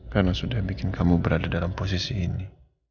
karena sudah yang bikin kamu berada dalam posisi ini